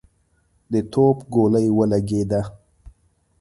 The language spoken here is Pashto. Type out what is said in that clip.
د توپ ګولۍ ولګېده.